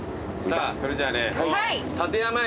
さぁそれじゃあね。